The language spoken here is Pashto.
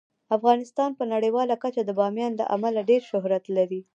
افغانستان په نړیواله کچه د بامیان له امله ډیر شهرت لري.